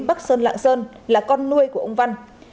bắc sơn lạng sơn là con nuôi của ông văn